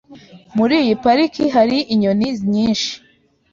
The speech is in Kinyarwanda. Muri iyi pariki hari inyoni nyinshi .